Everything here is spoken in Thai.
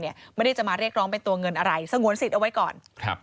ไม่ได้จะมาเรียกร้องเป็นตัวเงินอะไรสงวนสิทธิ์เอาไว้ก่อน